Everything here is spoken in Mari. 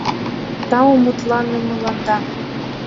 Тау мутланымыланда!